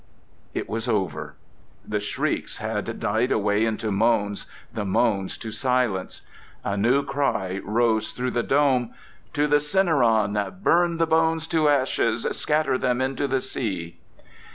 It was over. The shrieks had died away into moans, the moans to silence.... A new cry rose through the dome: 'To the Cinaron! Burn the bones to ashes! Scatter them into the sea!